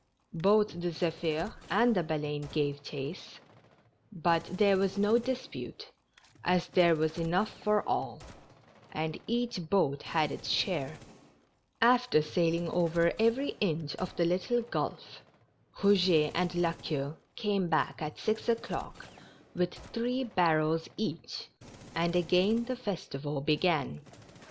Both the Zephir and the Baleine gave chase, but there was no dis^mte, as there was enough for all, and each boat had its share. 14 2^6 MORK JOLLIFICATION. After sailing over every inch of the little gulf, Rouget and La Queue came back at six o'clock with three bar rels each, and again the festival began.